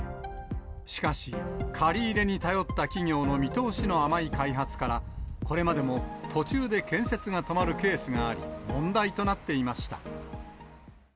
しかし借り入れに頼った企業の見通しの甘い開発から、これまでも途中で建設が止まるケースがあり、問題となっていました。